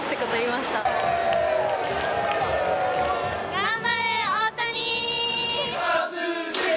頑張れ、大谷！